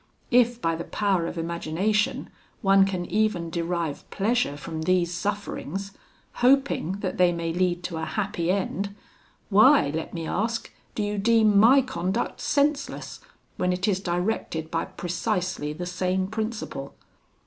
If by the power of imagination one can even derive pleasure from these sufferings, hoping that they may lead to a happy end, why, let me ask, do you deem my conduct senseless, when it is directed by precisely the same principle?